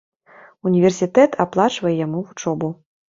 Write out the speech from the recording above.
Універсітэт аплачвае яму вучобу.